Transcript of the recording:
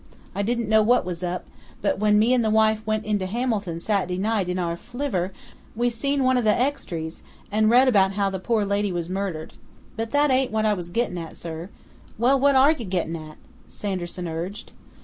I didn't know what was up, but when me and the wife went into Hamilton Sat'dy night in our flivver we seen one of the extries and read about how the poor lady was murdered. But that ain't what I was gittin' at, sir " "Well, what are you getting at?" Sanderson urged.